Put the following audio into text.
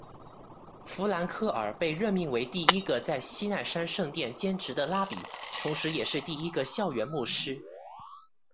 弗兰克尔被任命为第一个在西奈山圣殿兼职的拉比，同时也是第一个校园牧师。